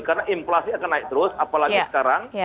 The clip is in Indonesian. karena inflasi akan naik terus apalagi sekarang